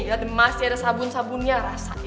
lihat emas ada sabun sabunnya rasain